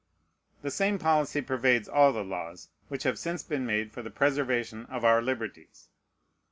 The same policy pervades all the laws which have since been made for the preservation of our liberties.